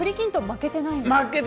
負けてないです。